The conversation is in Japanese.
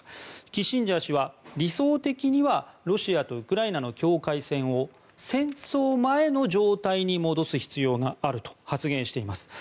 キッシンジャー氏は理想的にはロシアとウクライナの境界線を戦争前の状態に戻す必要があると発言しています。